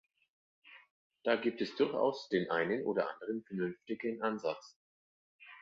Da gibt es durchaus den einen oder anderen vernünftigen Ansatz.